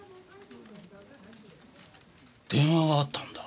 電話があったんだ。